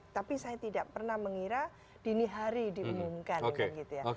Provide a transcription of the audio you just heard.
tapi saya tidak pernah mengira dini hari diumumkan kan gitu ya